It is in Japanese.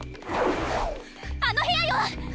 あの部屋よ！